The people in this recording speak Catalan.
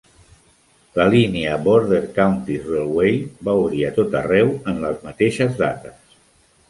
La línia Border Counties Railway va obrir a tot arreu en les mateixes dates.